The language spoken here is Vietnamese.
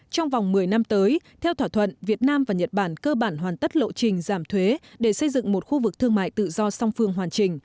trong vòng một mươi năm tới theo thỏa thuận việt nam và nhật bản cơ bản hoàn tất lộ trình giảm thuế để xây dựng một khu vực thương mại tự do song phương hoàn chỉnh